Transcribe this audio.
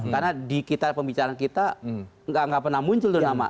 karena di kita pembicaraan kita nggak pernah muncul tuh nama